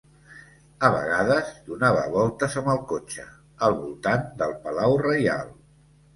A vegades donava voltes amb el cotxe al voltant del palau reial.